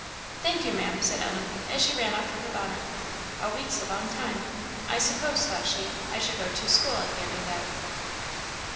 "Thank you, Maam," said Ellen, as she ran off for her bonnet; "a week's a long time. I suppose," thought she, "I shall go to school at the end of that."